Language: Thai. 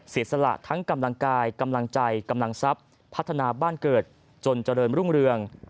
เสียสละทั้งกำลังกายกำลังใจกำลังทรัพย์พัฒนาบ้านเกิดจนเจริญรุ่งเรือง